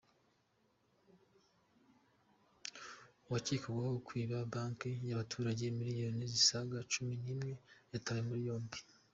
Uwakekwagaho kwiba banki yabaturage miliyoni zisaga cumi nimwe yatawe muri yombi